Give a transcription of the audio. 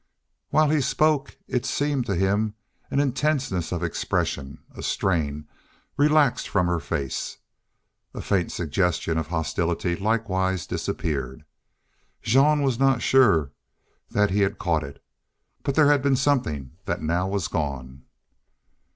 While he spoke it seemed to him an intentness of expression, a strain relaxed from her face. A faint suggestion of hostility likewise disappeared. Jean was not even sure that he had caught it, but there had been something that now was gone.